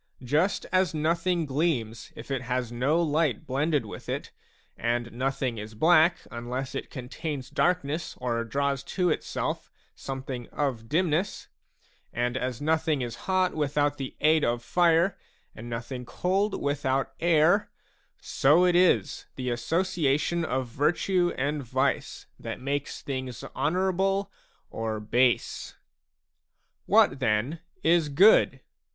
Just as nothing gleams if it has no light blended with it, and nothing is black unless it contains darkness or draws to itself something of dimness, and as nothing is hot without the aid of fire, and nothing cold without air; so it is the association of virtue and vice that makes things honourable or base. What then is good